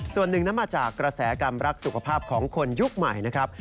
ส่วนหนึ่งนั้นมาจากกระแสกรรมรักสุขภาพของคนยุคใหม่นะครับ